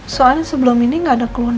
soalnya sebelum ini nggak ada keluhan